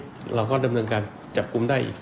ก็มีการออกรูปรวมปัญญาหลักฐานออกมาจับได้ทั้งหมด